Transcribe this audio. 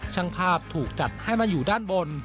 ช่างภาพถูกจัดให้มาอยู่ด้านบน